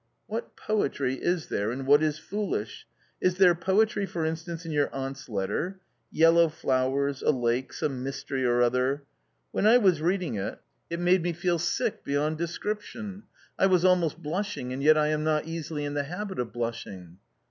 "What poetry is there in what is foolish? Is there poetry for instance in your aunt's letter ? Yellow flowers, a lake, some mystery or other. When I was reading it, it 48 A COMMON STORY made me feel sick beyond description ! I was almost blushing, and yet I am not exactly in the habit of blush ing."